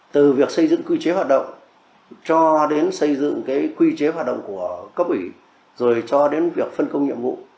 từ việc xây dựng quy chế hoạt động cho đến xây dựng cái quy chế hoạt động của cấp ủy rồi cho đến việc phân công nhiệm vụ